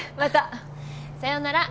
さようなら。